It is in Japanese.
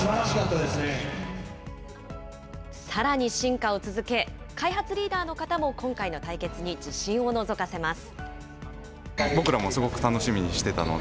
さらに進化を続け、開発リーダーの方も、今回の対決に自信をのぞかせます。